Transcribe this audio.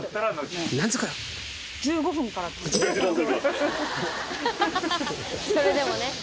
１５分からです。